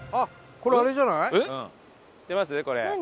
これ。